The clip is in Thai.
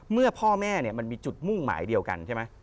พ่อแม่มันมีจุดมุ่งหมายเดียวกันใช่ไหม